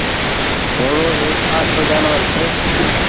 گھوڙو ايڪ آڇو جآنور ڇي